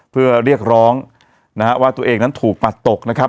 เพื่อเรียกร้องนะฮะว่าตัวเองนั้นถูกปัดตกนะครับ